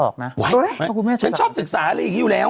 เขาศึกษามากแล้ว